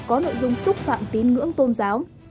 có nội dung xúc phạm tin ngưỡng tôn giáo